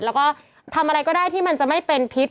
แล้วก็ทำอะไรก็ได้ที่มันจะไม่เป็นพิษ